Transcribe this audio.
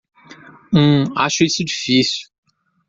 Hum, acho isso difícil.